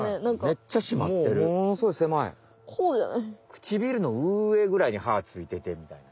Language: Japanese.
くちびるのうえぐらいに歯ついててみたいな。